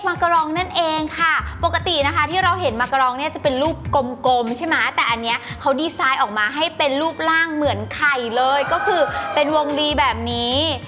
มากรองนั่นเองค่ะปกตินะคะที่เราเห็นมากรองเนี่ยจะเป็นรูปกลมใช่ไหมแต่อันนี้เขาดีไซน์ออกมาให้เป็นรูปร่างเหมือนไข่เลยก็คือเป็นวงดีแบบนี้